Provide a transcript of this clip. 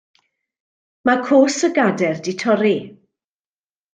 Mae coes y gadair 'di torri.